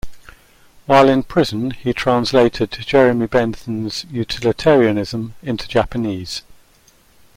While in prison he translated Jeremy Bentham's "Utilitarianism" into Japanese.